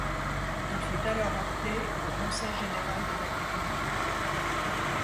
Il fut alors appelé au conseil général de l'agriculture.